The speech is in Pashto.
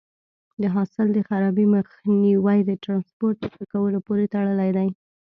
د حاصل د خرابي مخنیوی د ټرانسپورټ په ښه کولو پورې تړلی دی.